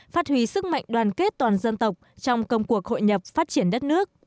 phát huy sức mạnh đoàn kết toàn dân tộc trong công cuộc hội nhập phát triển đất nước